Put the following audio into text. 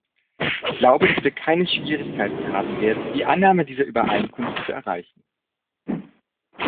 Ich glaube, dass wir keine Schwierigkeiten haben werden, die Annahme dieser Übereinkunft zu erreichen.